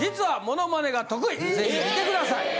ぜひふってください。